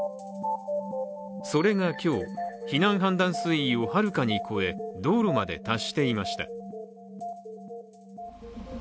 それが今日、避難判断水位をはるかに越え、道路まで達していました。